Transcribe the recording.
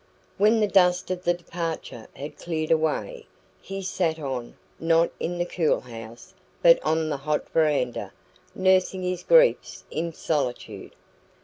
When the dust of the departure had cleared away, he sat on, not in the cool house, but on the hot verandah, nursing his griefs in solitude.